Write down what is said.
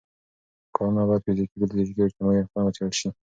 کانونه باید فزیکي، بیولوژیکي او اجتماعي اړخونه وڅېړل شي.